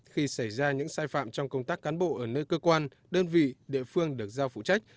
khi xảy ra những sai phạm trong công tác cán bộ ở nơi cơ quan đơn vị địa phương được giao phụ trách